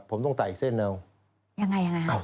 ผมต้องไต่เส้นเอา